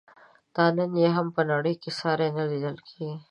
دا نن یې هم په نړۍ کې ساری نه لیدل کیږي.